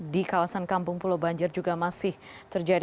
di kawasan kampung pulau banjir juga masih terjadi